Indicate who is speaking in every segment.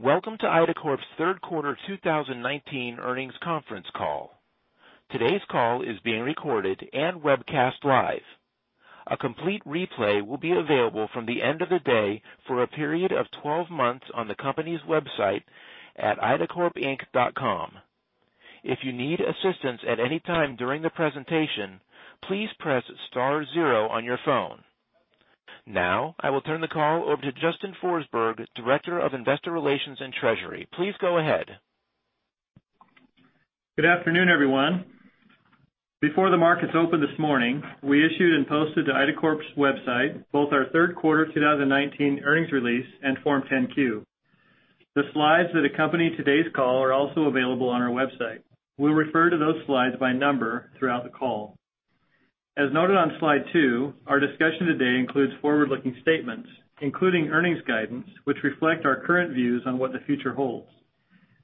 Speaker 1: Welcome to IDACORP's third quarter 2019 earnings conference call. Today's call is being recorded and webcast live. A complete replay will be available from the end of the day for a period of 12 months on the company's website at idacorpinc.com. If you need assistance at any time during the presentation, please press star zero on your phone. Now, I will turn the call over to Justin Forsberg, Director of Investor Relations and Treasury. Please go ahead.
Speaker 2: Good afternoon, everyone. Before the markets opened this morning, we issued and posted to IDACORP's website both our third quarter 2019 earnings release and Form 10-Q. The slides that accompany today's call are also available on our website. We'll refer to those slides by number throughout the call. As noted on slide two, our discussion today includes forward-looking statements, including earnings guidance, which reflect our current views on what the future holds.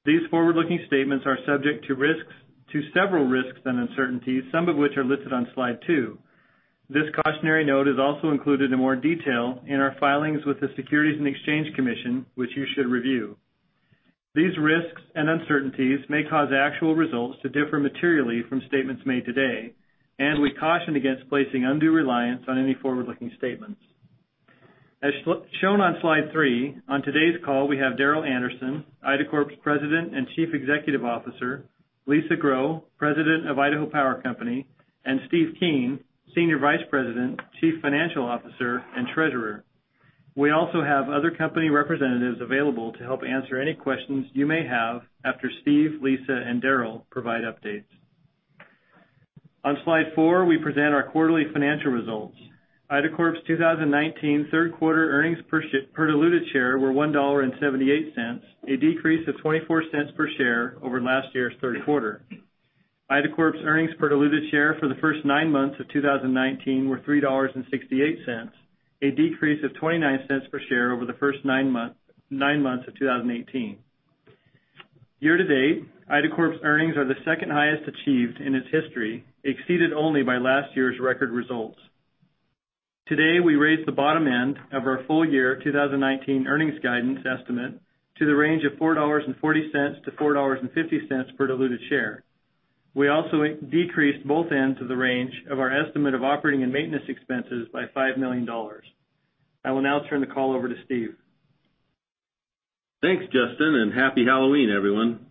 Speaker 2: These forward-looking statements are subject to several risks and uncertainties, some of which are listed on slide two. This cautionary note is also included in more detail in our filings with the Securities and Exchange Commission, which you should review. These risks and uncertainties may cause actual results to differ materially from statements made today, and we caution against placing undue reliance on any forward-looking statements. As shown on slide three, on today's call, we have Darrel Anderson, IDACORP's President and Chief Executive Officer, Lisa Grow, President of Idaho Power Company, and Steve Keen, Senior Vice President, Chief Financial Officer, and Treasurer. We also have other company representatives available to help answer any questions you may have after Steve, Lisa, and Darrel provide updates. On slide four, we present our quarterly financial results. IDACORP's 2019 third quarter earnings per diluted share were $1.78, a decrease of $0.24 per share over last year's third quarter. IDACORP's earnings per diluted share for the first nine months of 2019 were $3.68, a decrease of $0.29 per share over the first nine months of 2018. Year to date, IDACORP's earnings are the second highest achieved in its history, exceeded only by last year's record results. Today, we raised the bottom end of our full year 2019 earnings guidance estimate to the range of $4.40-$4.50 per diluted share. We also decreased both ends of the range of our estimate of operating and maintenance expenses by $5 million. I will now turn the call over to Steve.
Speaker 3: Thanks, Justin. Happy Halloween, everyone.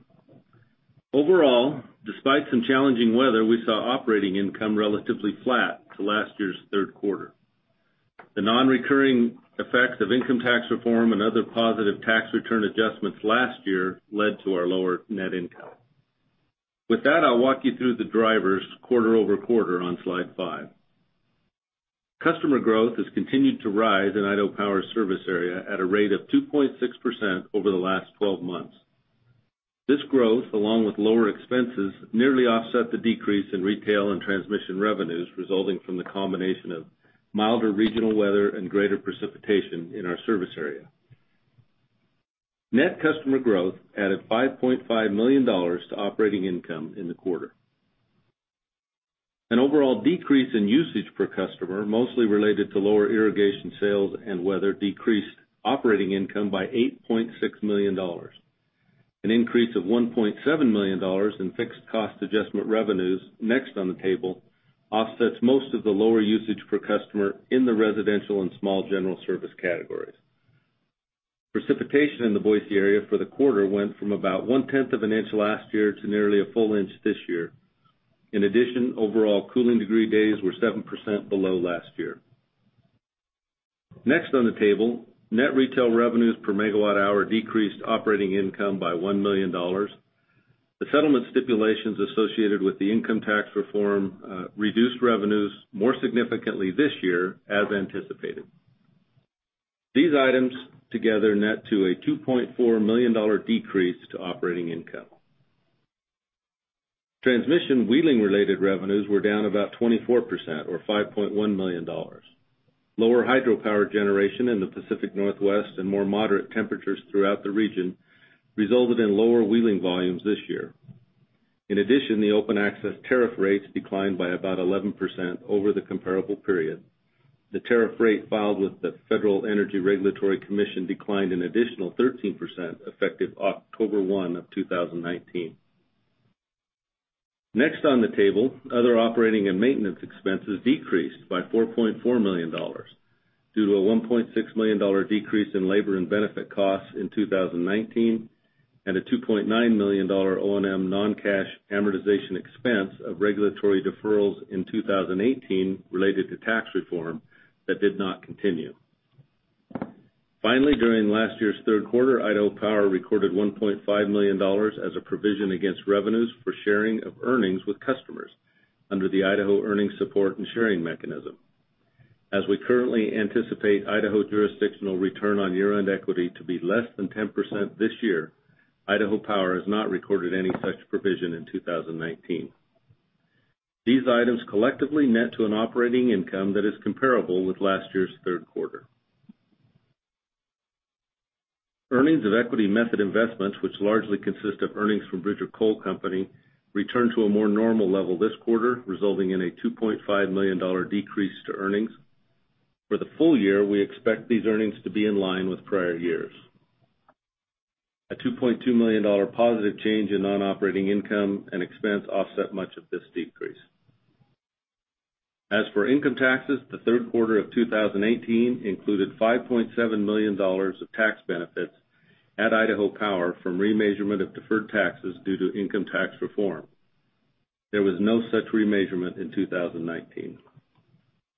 Speaker 3: Overall, despite some challenging weather, we saw operating income relatively flat to last year's third quarter. The non-recurring effects of income tax reform and other positive tax return adjustments last year led to our lower net income. With that, I'll walk you through the drivers quarter-over-quarter on slide five. Customer growth has continued to rise in Idaho Power service area at a rate of 2.6% over the last 12 months. This growth, along with lower expenses, nearly offset the decrease in retail and transmission revenues resulting from the combination of milder regional weather and greater precipitation in our service area. Net customer growth added $5.5 million to operating income in the quarter. An overall decrease in usage per customer, mostly related to lower irrigation sales and weather, decreased operating income by $8.6 million. An increase of $1.7 million in Fixed Cost Adjustment revenues, next on the table, offsets most of the lower usage per customer in the residential and small general service categories. Precipitation in the Boise area for the quarter went from about one-tenth of an inch last year to nearly a full inch this year. In addition, overall cooling degree days were 7% below last year. Next on the table, net retail revenues per megawatt hour decreased operating income by $1 million. The settlement stipulations associated with the income tax reform reduced revenues more significantly this year, as anticipated. These items together net to a $2.4 million decrease to operating income. Transmission wheeling-related revenues were down about 24%, or $5.1 million. Lower hydropower generation in the Pacific Northwest and more moderate temperatures throughout the region resulted in lower wheeling volumes this year. In addition, the open access tariff rates declined by about 11% over the comparable period. The tariff rate filed with the Federal Energy Regulatory Commission declined an additional 13%, effective October 1, 2019. Next on the table, other operating and maintenance expenses decreased by $4.4 million due to a $1.6 million decrease in labor and benefit costs in 2019 and a $2.9 million O&M non-cash amortization expense of regulatory deferrals in 2018 related to tax reform that did not continue. Finally, during last year's third quarter, Idaho Power recorded $1.5 million as a provision against revenues for sharing of earnings with customers under the Idaho Earnings Support and Sharing Mechanism. As we currently anticipate Idaho jurisdictional return on year-end equity to be less than 10% this year, Idaho Power has not recorded any such provision in 2019. These items collectively net to an operating income that is comparable with last year's third quarter. Earnings of equity method investments, which largely consist of earnings from Bridger Coal Company, returned to a more normal level this quarter, resulting in a $2.5 million decrease to earnings. For the full year, we expect these earnings to be in line with prior years. A $2.2 million positive change in non-operating income and expense offset much of this decrease. As for income taxes, the third quarter of 2018 included $5.7 million of tax benefits at Idaho Power from remeasurement of deferred taxes due to income tax reform. There was no such remeasurement in 2019.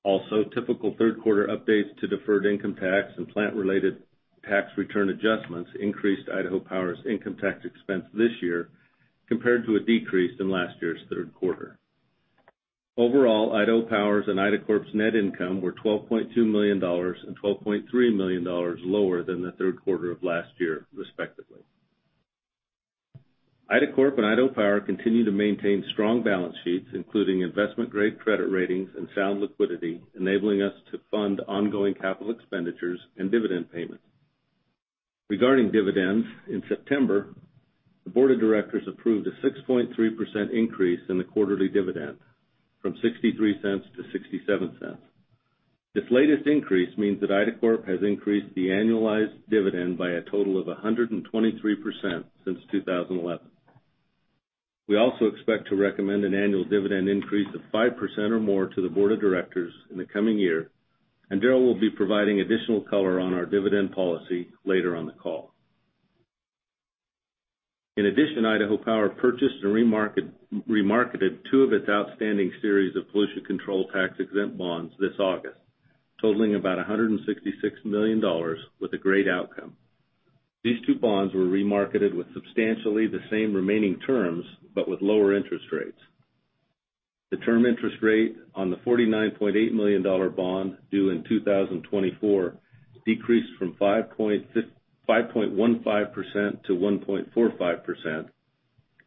Speaker 3: Also, typical third quarter updates to deferred income tax and plant-related tax return adjustments increased Idaho Power's income tax expense this year compared to a decrease in last year's third quarter. Overall, Idaho Power's and IDACORP's net income were $12.2 million and $12.3 million lower than the third quarter of last year, respectively. IDACORP and Idaho Power continue to maintain strong balance sheets, including investment-grade credit ratings and sound liquidity, enabling us to fund ongoing capital expenditures and dividend payments. Regarding dividends, in September, the Board of Directors approved a 6.3% increase in the quarterly dividend from $0.63 to $0.67. This latest increase means that IDACORP has increased the annualized dividend by a total of 123% since 2011. We also expect to recommend an annual dividend increase of 5% or more to the Board of Directors in the coming year, and Darrel will be providing additional color on our dividend policy later on the call. In addition, Idaho Power purchased and remarketed two of its outstanding series of pollution control tax-exempt bonds this August, totaling about $166 million with a great outcome. These two bonds were remarketed with substantially the same remaining terms, with lower interest rates. The term interest rate on the $49.8 million bond due in 2024 decreased from 5.15% to 1.45%,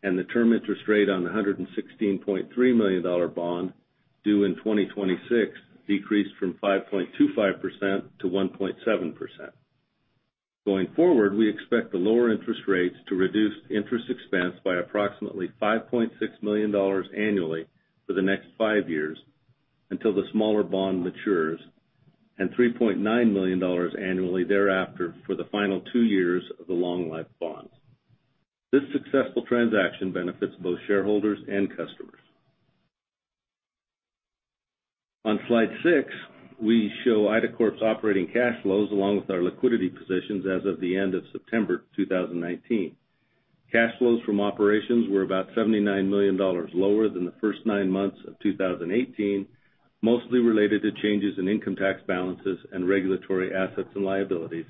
Speaker 3: and the term interest rate on the $116.3 million bond due in 2026 decreased from 5.25% to 1.7%. Going forward, we expect the lower interest rates to reduce interest expense by approximately $5.6 million annually for the next five years until the smaller bond matures, and $3.9 million annually thereafter for the final two years of the long-life bonds. This successful transaction benefits both shareholders and customers. On slide six, we show IDACORP's operating cash flows along with our liquidity positions as of the end of September 2019. Cash flows from operations were about $79 million lower than the first nine months of 2018, mostly related to changes in income tax balances and regulatory assets and liabilities,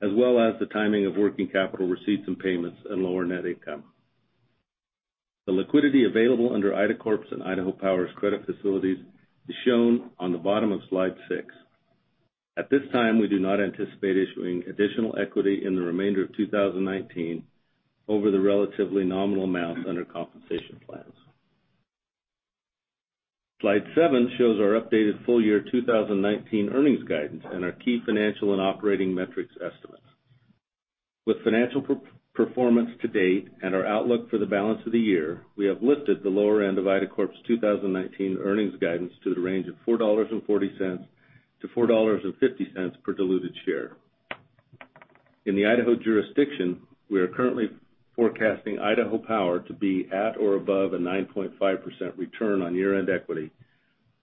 Speaker 3: as well as the timing of working capital receipts and payments and lower net income. The liquidity available under IDACORP's and Idaho Power's credit facilities is shown on the bottom of slide six. At this time, we do not anticipate issuing additional equity in the remainder of 2019 over the relatively nominal amounts under compensation plans. Slide seven shows our updated full-year 2019 earnings guidance and our key financial and operating metrics estimates. With financial performance to date and our outlook for the balance of the year, we have lifted the lower end of IDACORP's 2019 earnings guidance to the range of $4.40-$4.50 per diluted share. In the Idaho jurisdiction, we are currently forecasting Idaho Power to be at or above a 9.5% return on year-end equity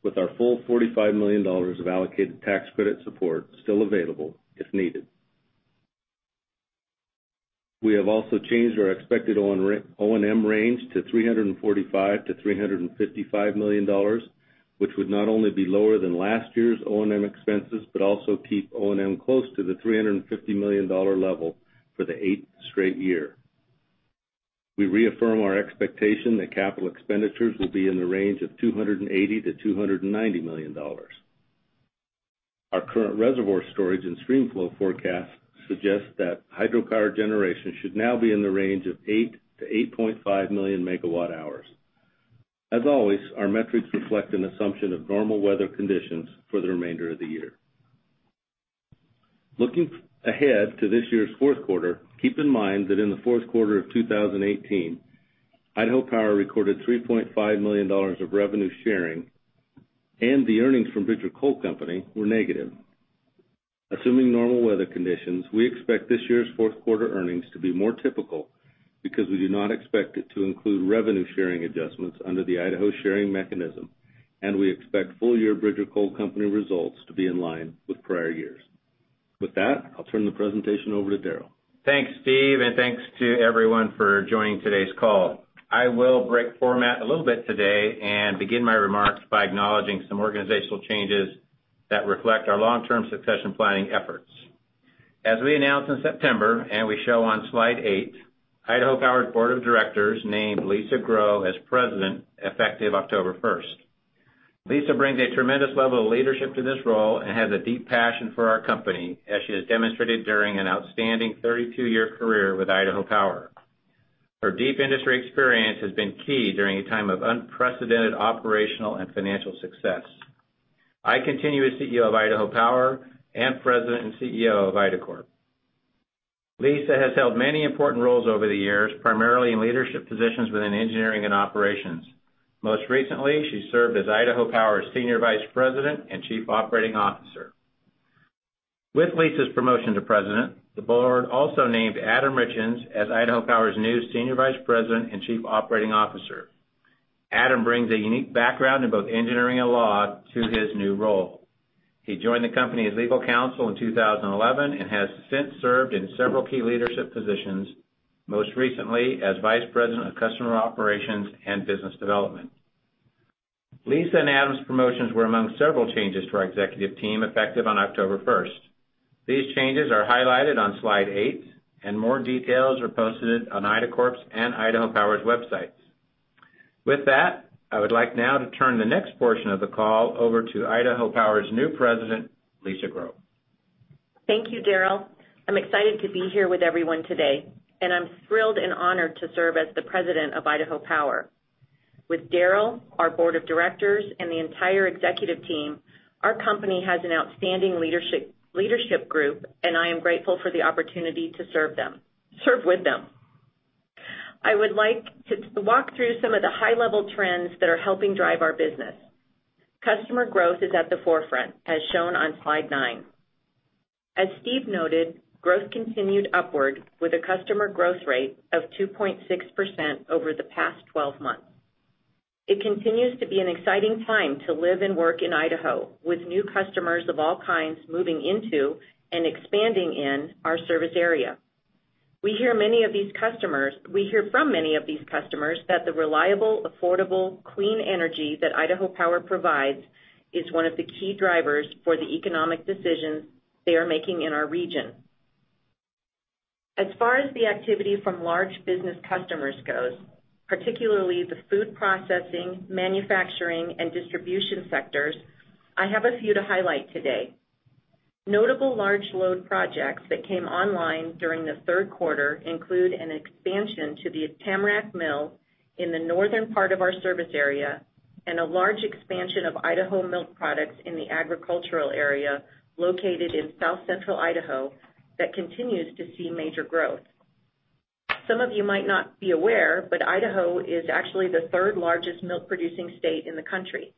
Speaker 3: with our full $45 million of allocated tax credit support still available if needed. We have also changed our expected O&M range to $345 million-$355 million, which would not only be lower than last year's O&M expenses, but also keep O&M close to the $350 million level for the eighth straight year. We reaffirm our expectation that capital expenditures will be in the range of $280 million-$290 million. Our current reservoir storage and stream flow forecast suggests that hydropower generation should now be in the range of 8 million-8.5 million megawatt hours. As always, our metrics reflect an assumption of normal weather conditions for the remainder of the year. Looking ahead to this year's fourth quarter, keep in mind that in the fourth quarter of 2018, Idaho Power recorded $3.5 million of revenue sharing and the earnings from Bridger Coal Company were negative. Assuming normal weather conditions, we expect this year's fourth quarter earnings to be more typical because we do not expect it to include revenue sharing adjustments under the Idaho Sharing Mechanism, and we expect full-year Bridger Coal Company results to be in line with prior years. With that, I'll turn the presentation over to Darrel.
Speaker 4: Thanks, Steve, and thanks to everyone for joining today's call. I will break format a little bit today and begin my remarks by acknowledging some organizational changes that reflect our long-term succession planning efforts. As we announced in September and we show on slide eight, Idaho Power's Board of Directors named Lisa Grow as President effective October 1st. Lisa brings a tremendous level of leadership to this role and has a deep passion for our company as she has demonstrated during an outstanding 32-year career with Idaho Power. Her deep industry experience has been key during a time of unprecedented operational and financial success. I continue as CEO of Idaho Power and President and CEO of IDACORP. Lisa has held many important roles over the years, primarily in leadership positions within engineering and operations. Most recently, she served as Idaho Power's Senior Vice President and Chief Operating Officer. With Lisa's promotion to President, the Board also named Adam Richins as Idaho Power's new Senior Vice President and Chief Operating Officer. Adam brings a unique background in both engineering and law to his new role. He joined the company as legal counsel in 2011 and has since served in several key leadership positions, most recently as vice president of customer operations and business development. Lisa and Adam's promotions were among several changes to our executive team effective on October first. These changes are highlighted on slide eight, and more details are posted on Idacorp's and Idaho Power's websites. With that, I would like now to turn the next portion of the call over to Idaho Power's new President, Lisa Grow.
Speaker 5: Thank you, Darrel. I'm excited to be here with everyone today, and I'm thrilled and honored to serve as the President of Idaho Power. With Darrel, our board of directors, and the entire executive team, our company has an outstanding leadership group, and I am grateful for the opportunity to serve with them. I would like to walk through some of the high-level trends that are helping drive our business. Customer growth is at the forefront, as shown on slide nine. As Steve noted, growth continued upward with a customer growth rate of 2.6% over the past 12 months. It continues to be an exciting time to live and work in Idaho with new customers of all kinds moving into and expanding in our service area. We hear from many of these customers that the reliable, affordable, clean energy that Idaho Power provides is one of the key drivers for the economic decisions they are making in our region. As far as the activity from large business customers goes, particularly the food processing, manufacturing, and distribution sectors, I have a few to highlight today. Notable large load projects that came online during the third quarter include an expansion to the Tamarack Mill in the northern part of our service area and a large expansion of Idaho Milk Products in the agricultural area located in South Central Idaho that continues to see major growth. Some of you might not be aware, but Idaho is actually the third-largest milk-producing state in the country.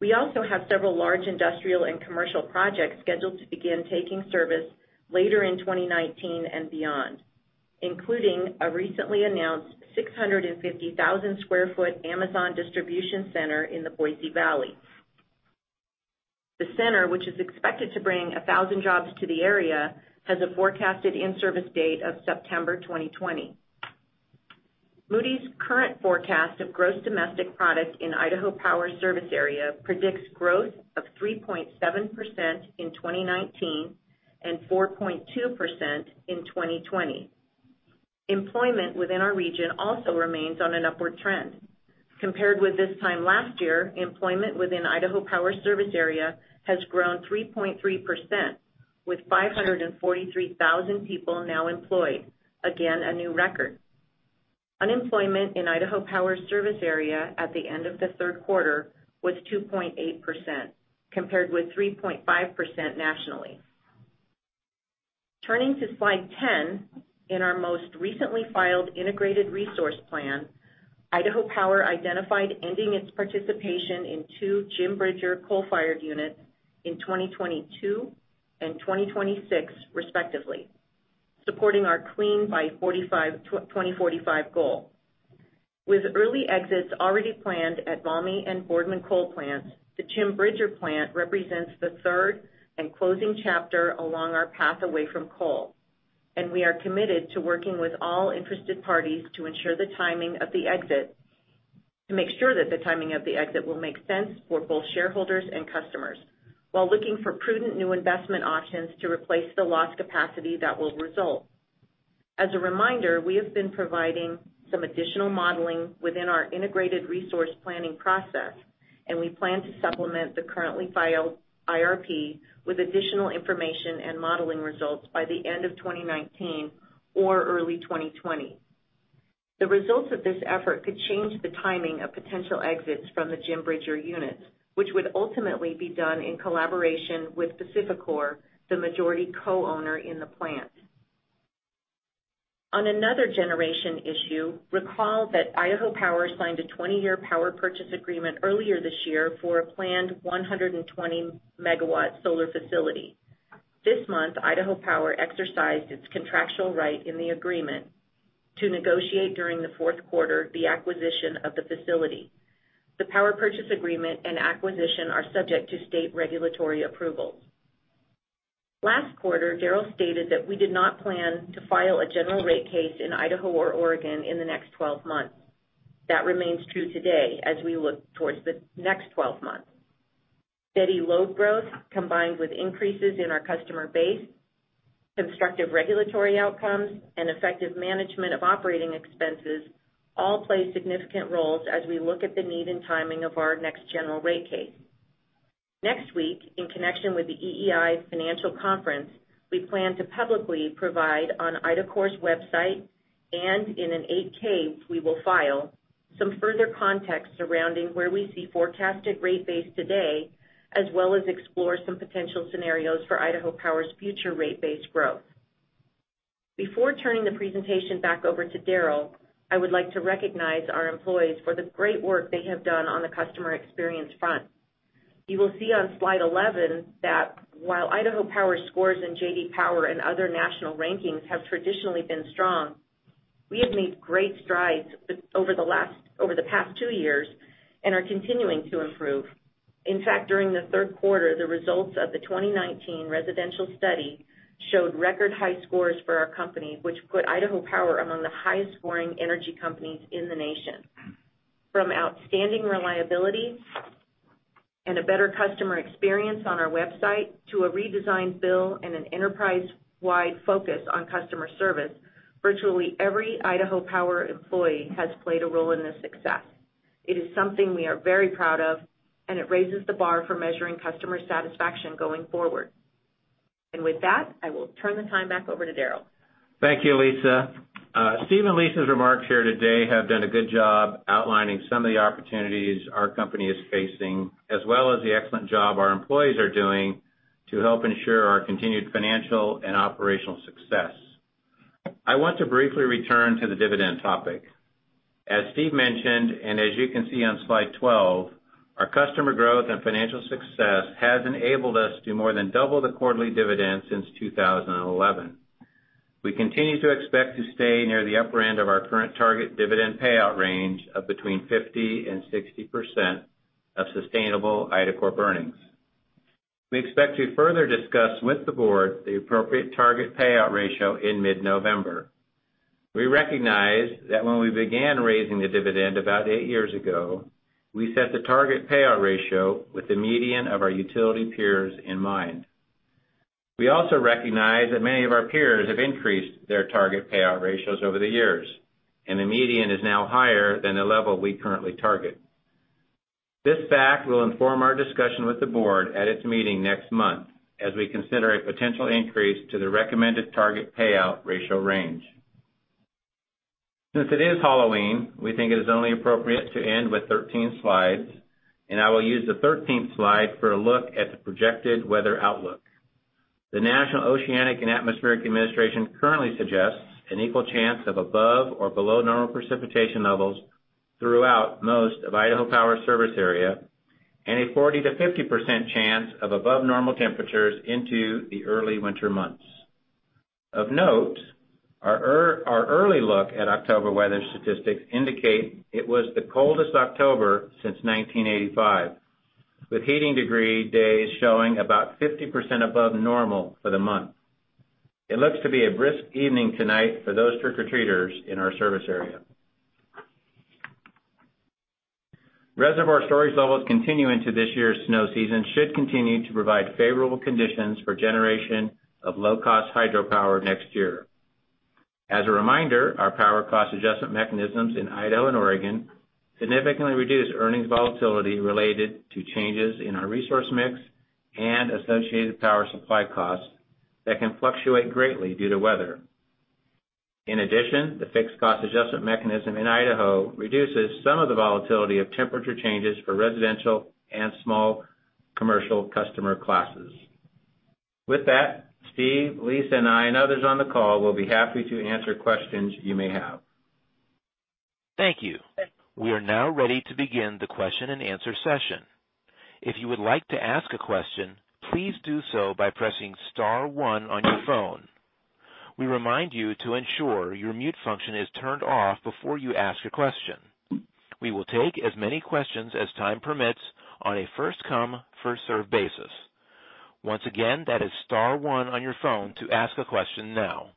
Speaker 5: We also have several large industrial and commercial projects scheduled to begin taking service later in 2019 and beyond, including a recently announced 650,000 square foot Amazon distribution center in the Boise Valley. The center, which is expected to bring 1,000 jobs to the area, has a forecasted in-service date of September 2020. Moody's current forecast of gross domestic product in Idaho Power service area predicts growth of 3.7% in 2019 and 4.2% in 2020. Employment within our region also remains on an upward trend. Compared with this time last year, employment within Idaho Power service area has grown 3.3%, with 543,000 people now employed. Again, a new record. Unemployment in Idaho Power service area at the end of the third quarter was 2.8%, compared with 3.5% nationally. Turning to slide 10, in our most recently filed Integrated Resource Plan, Idaho Power identified ending its participation in two Jim Bridger coal-fired units in 2022 and 2026, respectively, supporting our clean by 2045 goal. With early exits already planned at Valmy and Boardman coal plants, the Jim Bridger plant represents the third and closing chapter along our path away from coal, and we are committed to working with all interested parties to ensure the timing of the exit, to make sure that the timing of the exit will make sense for both shareholders and customers while looking for prudent new investment options to replace the lost capacity that will result. As a reminder, we have been providing some additional modeling within our integrated resource planning process. We plan to supplement the currently filed IRP with additional information and modeling results by the end of 2019 or early 2020. The results of this effort could change the timing of potential exits from the Jim Bridger units, which would ultimately be done in collaboration with PacifiCorp, the majority co-owner in the plant. On another generation issue, recall that Idaho Power signed a 20-year power purchase agreement earlier this year for a planned 120-megawatt solar facility. This month, Idaho Power exercised its contractual right in the agreement to negotiate during the fourth quarter the acquisition of the facility. The power purchase agreement and acquisition are subject to state regulatory approvals. Last quarter, Darrel stated that we did not plan to file a general rate case in Idaho or Oregon in the next 12 months. That remains true today as we look towards the next 12 months. Steady load growth, combined with increases in our customer base, constructive regulatory outcomes, and effective management of operating expenses all play significant roles as we look at the need and timing of our next general rate case. Next week, in connection with the EEI Financial Conference, we plan to publicly provide on IDACORP's website and in an 8-K we will file further context surrounding where we see forecasted rate base today, as well as explore some potential scenarios for Idaho Power's future rate base growth. Before turning the presentation back over to Darrel, I would like to recognize our employees for the great work they have done on the customer experience front. You will see on slide 11 that while Idaho Power scores in J.D. Power and other national rankings have traditionally been strong, we have made great strides over the past two years and are continuing to improve. In fact, during the third quarter, the results of the 2019 residential study showed record high scores for our company, which put Idaho Power among the highest-scoring energy companies in the nation. From outstanding reliability and a better customer experience on our website to a redesigned bill and an enterprise-wide focus on customer service, virtually every Idaho Power employee has played a role in this success. It is something we are very proud of, and it raises the bar for measuring customer satisfaction going forward. With that, I will turn the time back over to Darrel.
Speaker 4: Thank you, Lisa. Steve and Lisa's remarks here today have done a good job outlining some of the opportunities our company is facing, as well as the excellent job our employees are doing to help ensure our continued financial and operational success. I want to briefly return to the dividend topic. As Steve mentioned, and as you can see on slide 12, our customer growth and financial success has enabled us to more than double the quarterly dividend since 2011. We continue to expect to stay near the upper end of our current target dividend payout range of between 50% and 60% of sustainable IDACORP earnings. We expect to further discuss with the board the appropriate target payout ratio in mid-November. We recognize that when we began raising the dividend about eight years ago, we set the target payout ratio with the median of our utility peers in mind. We also recognize that many of our peers have increased their target payout ratios over the years, and the median is now higher than the level we currently target. This fact will inform our discussion with the board at its meeting next month as we consider a potential increase to the recommended target payout ratio range. Since it is Halloween, we think it is only appropriate to end with 13 slides, and I will use the 13th slide for a look at the projected weather outlook. The National Oceanic and Atmospheric Administration currently suggests an equal chance of above or below normal precipitation levels throughout most of Idaho Power's service area and a 40%-50% chance of above normal temperatures into the early winter months. Of note, our early look at October weather statistics indicate it was the coldest October since 1985, with heating degree days showing about 50% above normal for the month. It looks to be a brisk evening tonight for those trick-or-treaters in our service area. Reservoir storage levels continuing to this year's snow season should continue to provide favorable conditions for generation of low-cost hydropower next year. As a reminder, our Power Cost Adjustment mechanisms in Idaho and Oregon significantly reduce earnings volatility related to changes in our resource mix and associated power supply costs that can fluctuate greatly due to weather. In addition, the Fixed Cost Adjustment mechanism in Idaho reduces some of the volatility of temperature changes for residential and small commercial customer classes. With that, Steve, Lisa and I, and others on the call will be happy to answer questions you may have.
Speaker 1: Thank you. We are now ready to begin the question and answer session. If you would like to ask a question, please do so by pressing star one on your phone. We remind you to ensure your mute function is turned off before you ask a question. We will take as many questions as time permits on a first come, first served basis. Once again, that is star one on your phone to ask a question now.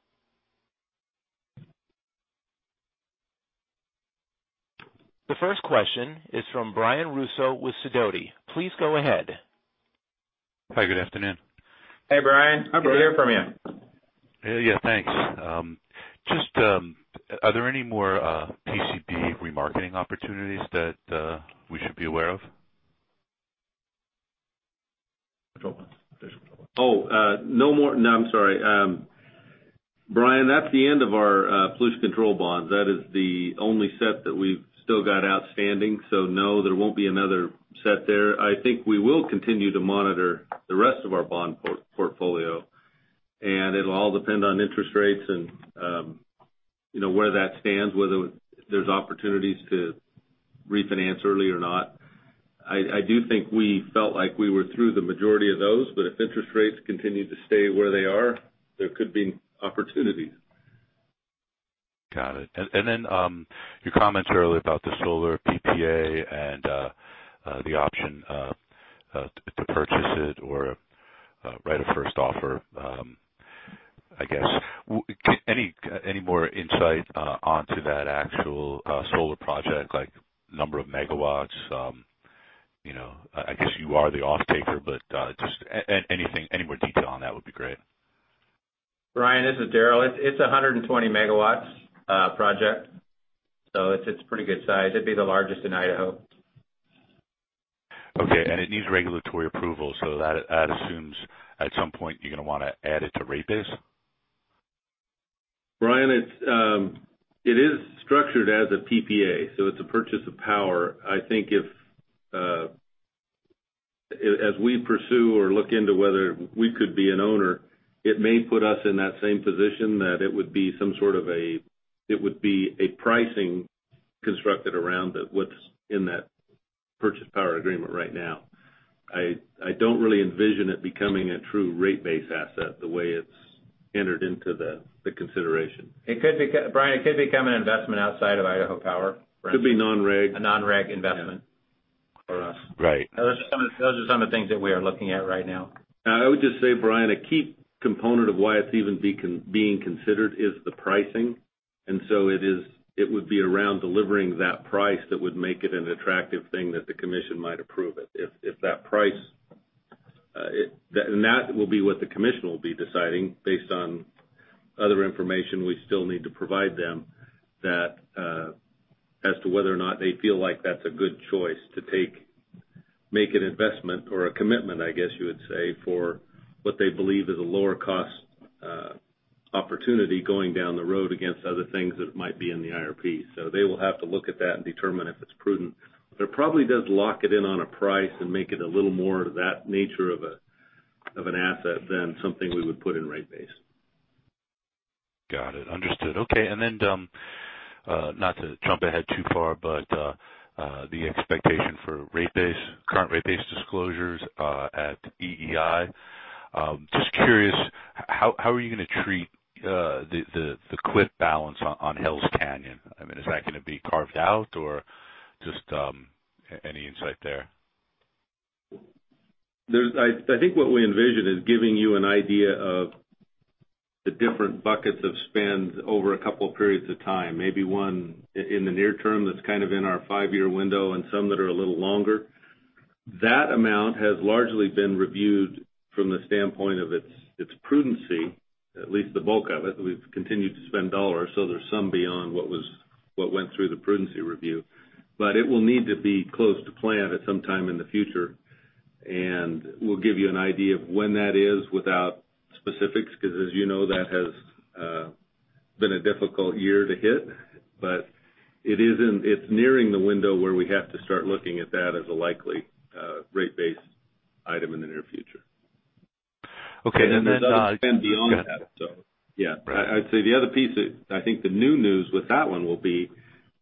Speaker 1: The first question is from Brian Russo with Sidoti. Please go ahead.
Speaker 6: Hi. Good afternoon.
Speaker 4: Hey, Brian. Good to hear from you.
Speaker 6: Yeah, thanks. Are there any more TCP remarketing opportunities that we should be aware of?
Speaker 4: Oh, no, I'm sorry. Brian, that's the end of our pollution control bonds. That is the only set that we've still got outstanding. No, there won't be another set there. I think we will continue to monitor the rest of our bond portfolio, and it'll all depend on interest rates and where that stands, whether there's opportunities to refinance early or not. I do think we felt like we were through the majority of those, but if interest rates continue to stay where they are, there could be opportunities.
Speaker 6: Got it. Your comments earlier about the solar PPA and the option to purchase it or right of first offer, I guess. Any more insight onto that actual solar project, like number of megawatts? I guess you are the offtaker, just any more detail on that would be great.
Speaker 4: Brian, this is Darrel. It's 120 MW project. It's a pretty good size. It'd be the largest in Idaho.
Speaker 6: Okay, it needs regulatory approval, so that assumes at some point you're going to want to add it to rate base?
Speaker 3: Brian, it is structured as a PPA, so it's a purchase of power. I think as we pursue or look into whether we could be an owner, it may put us in that same position that it would be a pricing constructed around what's in that purchase power agreement right now. I don't really envision it becoming a true rate base asset the way it's entered into the consideration.
Speaker 4: Brian, it could become an investment outside of Idaho Power.
Speaker 3: Could be non-reg.
Speaker 4: A non-reg investment for us.
Speaker 6: Right.
Speaker 4: Those are some of the things that we are looking at right now.
Speaker 3: I would just say, Brian, a key component of why it's even being considered is the pricing. So it would be around delivering that price that would make it an attractive thing that the commission might approve it. That will be what the commission will be deciding based on other information we still need to provide them as to whether or not they feel like that's a good choice to make an investment or a commitment, I guess you would say, for what they believe is a lower cost opportunity going down the road against other things that might be in the IRP. They will have to look at that and determine if it's prudent. It probably does lock it in on a price and make it a little more of that nature of an asset than something we would put in rate base.
Speaker 6: Got it. Understood. Okay. Not to jump ahead too far, the expectation for current rate base disclosures at EEI, just curious, how are you going to treat the CWIP balance on Hells Canyon? Is that going to be carved out, or just any insight there?
Speaker 3: I think what we envision is giving you an idea of the different buckets of spend over a couple periods of time, maybe one in the near term that's kind of in our five-year window and some that are a little longer. That amount has largely been reviewed from the standpoint of its prudency, at least the bulk of it. We've continued to spend dollars, so there's some beyond what went through the prudency review. It will need to be close to plan at some time in the future, and we'll give you an idea of when that is without specifics, because as you know, that has been a difficult year to hit. It's nearing the window where we have to start looking at that as a likely rate base item in the near future.
Speaker 6: Okay.
Speaker 3: There's other spend beyond that. Yeah. I'd say the other piece, I think the new news with that one will be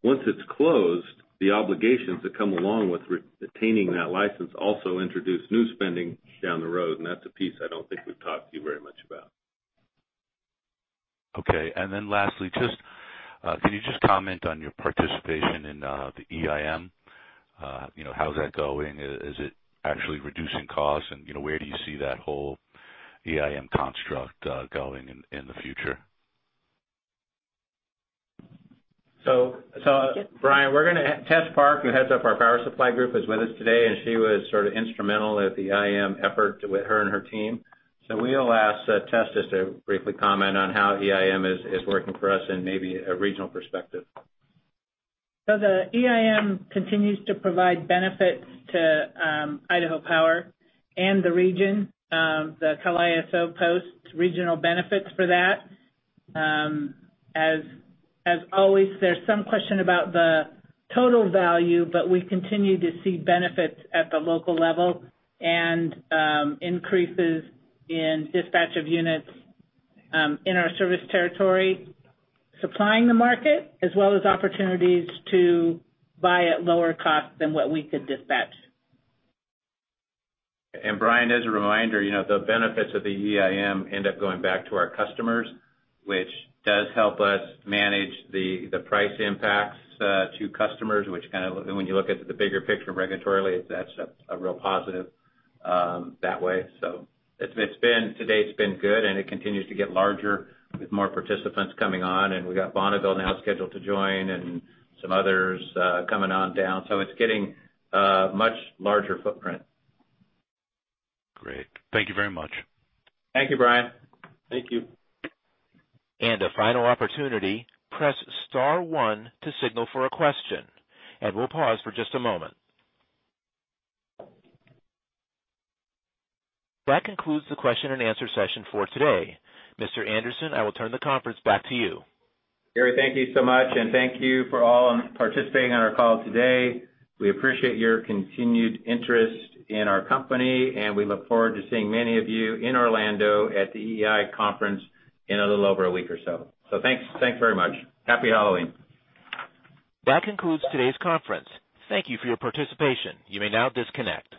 Speaker 3: once it's closed, the obligations that come along with retaining that license also introduce new spending down the road. That's a piece I don't think we've talked to you very much about.
Speaker 6: Okay. Lastly, can you just comment on your participation in the EIM? How's that going? Is it actually reducing costs? Where do you see that whole EIM construct going in the future?
Speaker 4: Brian, Tess Park, who heads up our power supply group, is with us today, and she was sort of instrumental at the EIM effort with her and her team. We will ask Tess just to briefly comment on how EIM is working for us in maybe a regional perspective.
Speaker 7: The EIM continues to provide benefits to Idaho Power and the region. The CAISO posts regional benefits for that. As always, there's some question about the total value, but we continue to see benefits at the local level and increases in dispatch of units in our service territory, supplying the market, as well as opportunities to buy at lower cost than what we could dispatch.
Speaker 4: Brian, as a reminder, the benefits of the EIM end up going back to our customers, which does help us manage the price impacts to customers, and when you look at the bigger picture regulatorily, that's a real positive that way. Today it's been good, and it continues to get larger with more participants coming on, and we've got Bonneville now scheduled to join and some others coming on down. It's getting a much larger footprint.
Speaker 6: Great. Thank you very much.
Speaker 4: Thank you, Brian.
Speaker 3: Thank you.
Speaker 1: A final opportunity, press star one to signal for a question. We'll pause for just a moment. That concludes the question and answer session for today. Mr. Anderson, I will turn the conference back to you.
Speaker 4: Gary, thank you so much, and thank you for all participating on our call today. We appreciate your continued interest in our company, and we look forward to seeing many of you in Orlando at the EEI conference in a little over a week or so. Thanks very much. Happy Halloween.
Speaker 1: That concludes today's conference. Thank you for your participation. You may now disconnect.